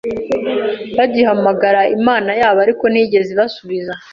bagihamagara imana yabo Ariko ntiyigeze ibasubiza